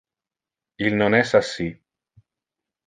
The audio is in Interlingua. Il non es assi.